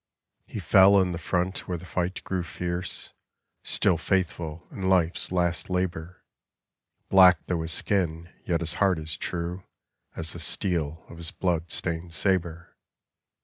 He fell in the front where the fight grew fierce, Still faithful in life's last labor; Black though his skin, yet his heart as true As the steel of his blood stained saber.